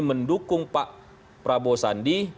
mendukung pak prabowo sandi